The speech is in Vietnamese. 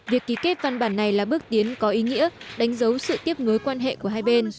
việc ký kết văn bản này là bước tiến có ý nghĩa đánh dấu sự tiếp nối quan hệ của hai bên